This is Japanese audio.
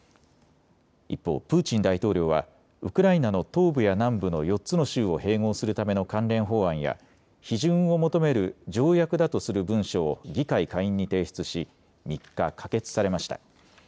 一方、プーチン大統領はウクライナの東部や南部の４つの州を併合するための関連法案や批准を求める条約だとする文書を議会下院に提出し３日、可決されました。